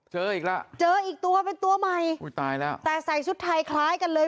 เจออีกแล้วเจออีกตัวเป็นตัวใหม่อุ้ยตายแล้วแต่ใส่ชุดไทยคล้ายกันเลย